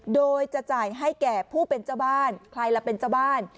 โดยจะจ่ายให้แก่ผู้เป็นเจ้าบ้านใครล่ะเป็นเจ้าบ้าน